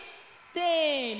せの！